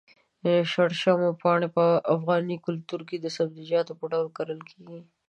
شړشمو پاڼې په افغاني کلتور کې د سبزيجاتو په ډول کرل کېږي.